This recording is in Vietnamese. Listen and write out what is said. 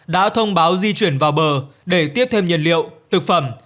đã thông báo di chuyển vào bờ để tiếp thêm nhân liệu thực phẩm